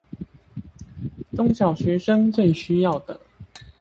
中小學生最需要的